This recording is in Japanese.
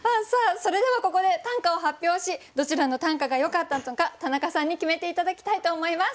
それではここで短歌を発表しどちらの短歌がよかったのか田中さんに決めて頂きたいと思います。